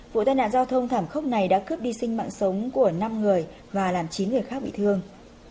vụ tai nạn giao thông thảm khốc này đã cướp đi sinh mạng sống của năm người và làm chín người khác bị thương